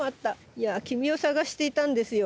いや君を探していたんですよ。